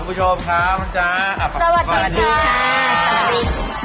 ผมชมข้าวครับผมวันนี้